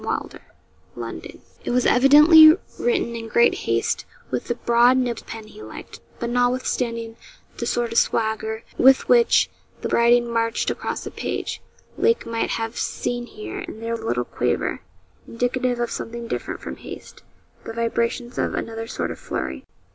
WYLDER, 'London.' It was evidently written in great haste, with the broad nibbed pen he liked; but notwithstanding the sort of swagger with which the writing marched across the page, Lake might have seen here and there a little quaver indicative of something different from haste the vibrations of another sort of flurry.